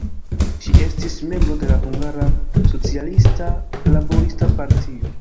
Ŝi estis membro de la Hungara Socialista Laborista Partio.